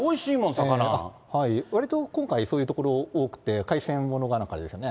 わりと今回、そういうところ多くて、海鮮物がなんかですね。